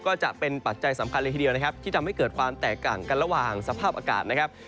ก็จะเป็นปัจจัยสำคัญเลยทีเดียวนะครับที่ทำให้เกิดความแตกต่างกันระหว่างสภาพอากาศนะครับ